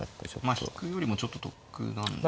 まあ引くよりもちょっと得なんですかね。